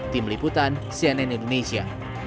tim liputan cnn indonesia